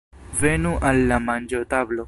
Venu al la manĝotablo.